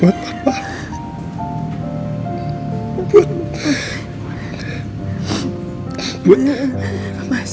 maka kamu akan muntah koneksi